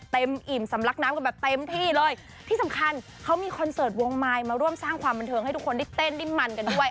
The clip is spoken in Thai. อิ่มสำลักน้ำกันแบบเต็มที่เลยที่สำคัญเขามีคอนเสิร์ตวงมายมาร่วมสร้างความบันเทิงให้ทุกคนได้เต้นดิ้นมันกันด้วย